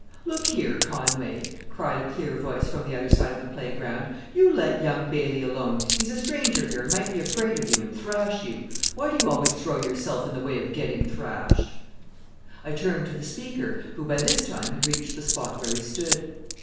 "Look here, Conway!" cried a clear voice from the other side of the playground. "You let young Bailey alone. He's a stranger here, and might be afraid of you, and thrash you. Why do you always throw yourself in the way of getting thrashed?" I turned to the speaker, who by this time had reached the spot where we stood.